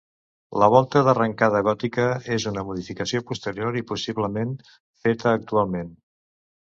La volta d'arrencada gòtica és una modificació posterior i possiblement feta actualment.